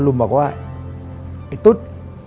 ลุงบอกว่าไอ้ตุ๊ด